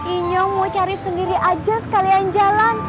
inyo mau cari sendiri aja sekalian jalan